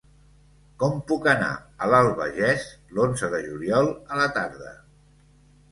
Com puc anar a l'Albagés l'onze de juliol a la tarda?